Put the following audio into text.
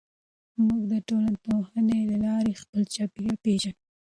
موږ د ټولنپوهنې له لارې خپل چاپېریال پېژنو.